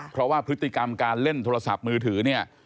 เพราะว่าพฤติกรรมการเล่นโทรศัพท์มือถือเนี่ย